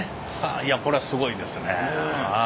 これはすごいですね。